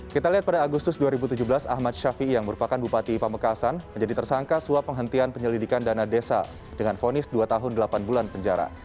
kita lihat pada agustus dua ribu tujuh belas ahmad ⁇ shafii ⁇ yang merupakan bupati pamekasan menjadi tersangka suap penghentian penyelidikan dana desa dengan fonis dua tahun delapan bulan penjara